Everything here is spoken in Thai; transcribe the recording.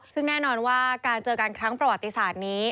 ซึ่งแน่นอนว่าการเจอกันครั้งประวัติศาสตร์นี้